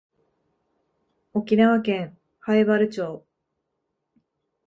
沖縄県南風原町